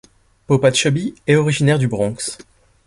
Popa Chubby est originaire du Bronx.